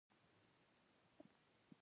امیر د لارډ لیټن د لیک په اړه سلا مشورې وکړې.